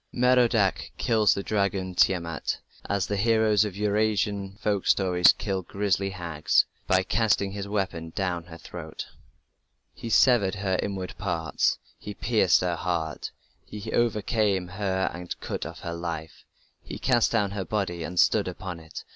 Merodach kills the dragon, Tiamat, as the heroes of Eur Asian folk stories kill grisly hags, by casting his weapon down her throat. He severed her inward parts, he pierced her heart, He overcame her and cut off her life; He cast down her body and stood upon it ...